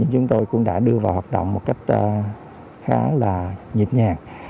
chúng tôi cũng đã đưa vào hoạt động một cách khá là nhịp nhàng